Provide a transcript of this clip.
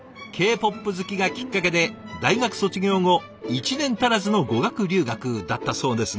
Ｋ−ＰＯＰ好きがきっかけで大学卒業後１年足らずの語学留学だったそうですが。